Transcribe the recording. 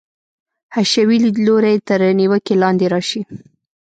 حشوي لیدلوری تر نیوکې لاندې راشي.